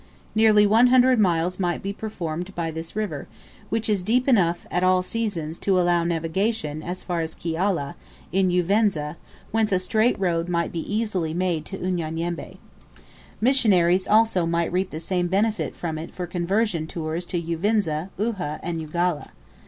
Nearly one hundred miles might be performed by this river, which is deep enough at all seasons to allow navigation as far as Kiala, in Uvinza, whence a straight road might be easily made to Unyanyembe. Missionaries also might reap the same benefit from it for conversion tours to Uvinza, Uhha, and Ugala.